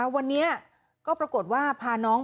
วันนี้ก็ปรากฏว่าพาน้อง